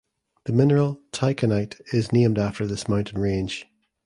The mineral Taikanite is named after this mountain range.